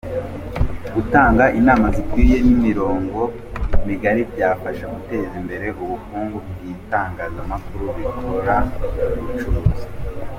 Gutanga inama zikwiye n’imirongo migari byafasha guteza imbere ubukungu bw’ibitangazamakuru bikora ubucuruzi.